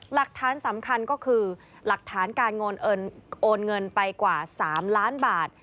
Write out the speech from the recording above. หลักฐานสำคัญก็คือหลักฐานการโอนเงินไปกว่า๓ล้านบาท